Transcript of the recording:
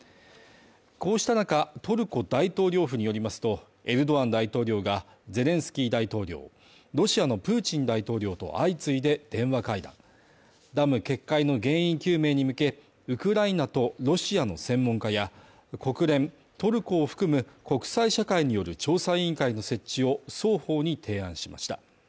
こうした中、トルコ大統領府によりますと、エルドアン大統領がゼレンスキー大統領ロシアのプーチン大統領と相次いで電話会談。ダム決壊の原因究明に向け、ウクライナとロシアの専門家や国連トルコを含む国際社会による調査委員会の設置を双方に提案しました。